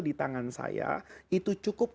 di tangan saya itu cukup